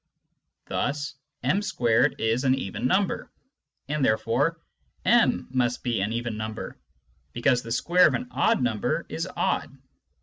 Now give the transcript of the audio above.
Thus m z is an even number, and therefore m must be an even number, because the square of an odd number is odd.